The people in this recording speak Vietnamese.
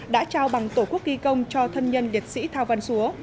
đã trao bằng tổ quốc ghi công cho thân nhân liệt sĩ thao văn xúa